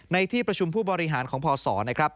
ในที่ประชุมผู้บริหารของพศนะครับ